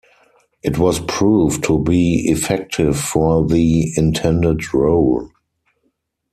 It was proved to be effective for the intended role.